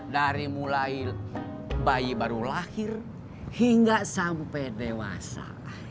dari mulai bayi baru lahir hingga sampai dewasa